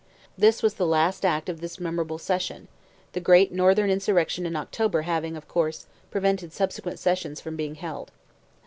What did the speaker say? This was the last act of this memorable session; the great northern insurrection in October having, of course, prevented subsequent sessions from being held.